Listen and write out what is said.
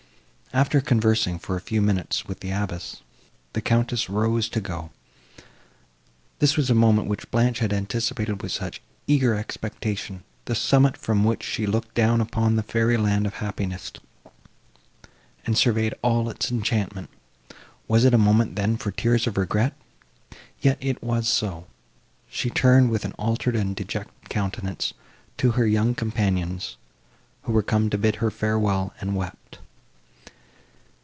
After conversing for a few minutes with the abbess, the Countess rose to go. This was the moment, which Blanche had anticipated with such eager expectation, the summit from which she looked down upon the fairy land of happiness, and surveyed all its enchantment; was it a moment, then, for tears of regret? Yet it was so. She turned, with an altered and dejected countenance, to her young companions, who were come to bid her farewell, and wept!